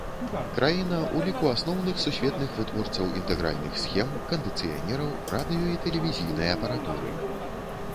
Краіна ў ліку асноўных сусветных вытворцаў інтэгральных схем, кандыцыянераў, радыё- і тэлевізійнай апаратуры.